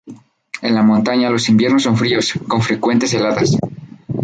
En la montaña los inviernos son fríos, con frecuentes heladas.